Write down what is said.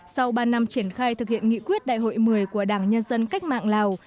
sau ba năm triển khai thực hiện nghị quyết đại hội một mươi của đảng nhân dân cách mạng lào